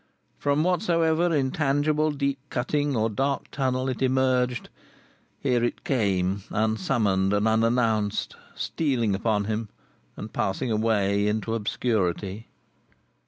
From whatsoever intangible deep cutting or dark tunnel it emerged, here it came, unsummoned and unannounced, stealing upon him and passing away into obscurity.